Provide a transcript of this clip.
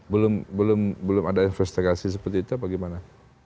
belum belum belum ada investigasi seperti itu apa gimana